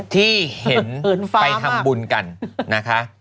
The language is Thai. ที่เห็นไปทำบุญกันนะคะ